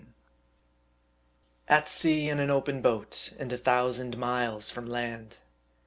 AT sea in an open boat, and a thousand miles from land!